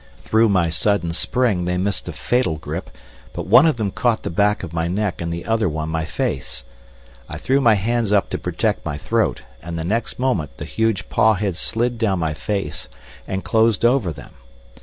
Through my sudden spring they missed a fatal grip, but one of them caught the back of my neck and the other one my face. I threw my hands up to protect my throat, and the next moment the huge paw had slid down my face and closed over them.